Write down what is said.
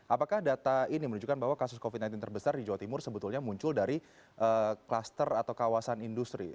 apakah data ini menunjukkan bahwa kasus covid sembilan belas terbesar di jawa timur sebetulnya muncul dari kluster atau kawasan industri